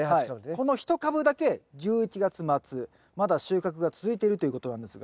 この１株だけ１１月末まだ収穫が続いてるということなんですが。